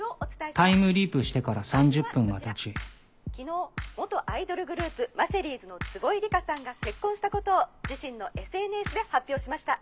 タイムリープしてから３０分がたち昨日元アイドルグループマシェリーズの坪井リカさんが結婚したことを自身のＳＮＳで発表しました。